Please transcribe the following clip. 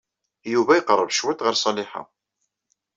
Yuba iqerreb cwiṭ ɣer Ṣaliḥa.